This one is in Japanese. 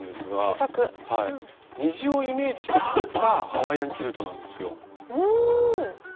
虹をイメージして作ったハワイアンキルトなんですよ。